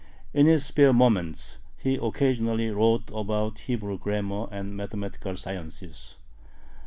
In his spare moments he occasionally wrote about Hebrew grammar and mathematical sciences.